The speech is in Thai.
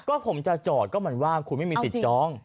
ก็ผมจะจอดก็เหมือนว่าคุณไม่มีสิทธิ์จอง